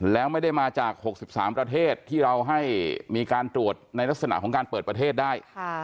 แล้วไม่ได้มาจาก๖๓ประเทศที่เราให้มีการตรวจในลักษณะของการเปิดประเทศได้